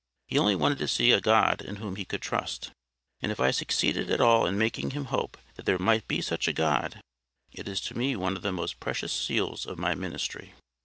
He only wanted to see a God in whom he could trust. And if I succeeded at all in making him hope that there might be such a God, it is to me one of the most precious seals of my ministry.